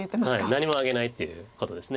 「何もあげない」っていうことです。